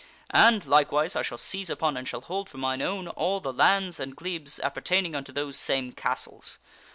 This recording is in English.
And, likewise, I shall seize upon and shall hold for mine own all the lands and glebes appertaining unto those same castles.